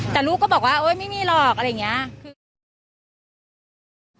แต่ลูกก็บอกว่าเอ้ยไม่มีหรอกอะไรอย่างเงี้ย